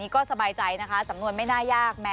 ขอบพระคุณค่ะ